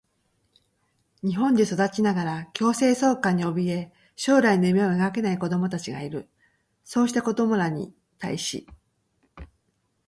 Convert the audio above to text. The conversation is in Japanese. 日本で育ちながら強制送還におびえ、将来の夢を描けない子どもたちがいる。そうした子どもらに対し、